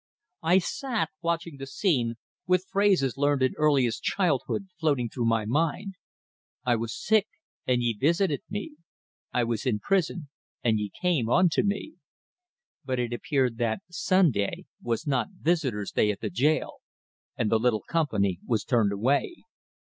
I sat watching the scene, with phrases learned in earliest childhood floating through my mind: "I was sick, and ye visited me; I was in prison, and ye came unto me." But it appeared that Sunday was not visitors' day at the jail, and the little company was turned away.